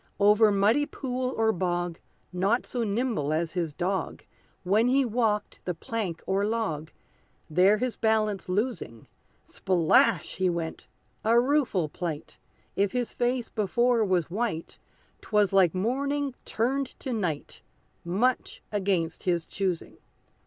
Over muddy pool or bog, Not so nimble as his dog, When he walked the plank or log, There his balance losing, Splash! he went a rueful plight! If his face before was white, 'Twas like morning turned to night, Much against his choosing.